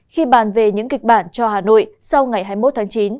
khi bàn về những kịch bản cho hà nội sau ngày hai mươi một tháng chín